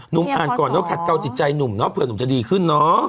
นุ่มอ่านก่อนเนาะคาดเก่าติดใจนุ่มเนาะเผื่อจะดีขึ้นเนาะ